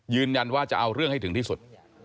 ยืนยันว่าจะเอาเรื่องให้ถึงที่สุด